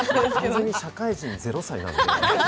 完全に社会人０歳なので。